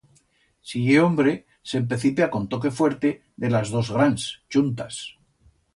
Si ye hombre s'empecipia con toque fuerte de las dos grans chuntas.